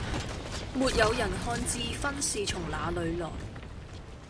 沒有人看智勳是從那裏來